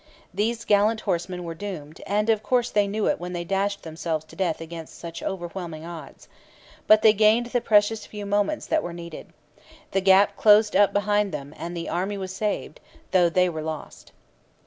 These gallant horsemen were doomed; and of course they knew it when they dashed themselves to death against such overwhelming odds. But they gained the few precious moments that were needed. The gap closed up behind them; and the army was saved, though they were lost.